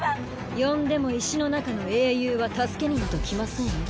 呼んでも石の中の英雄は助けになど来ませんよ。